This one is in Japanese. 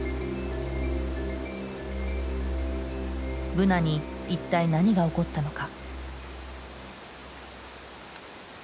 ブナに一体何が起こったのか？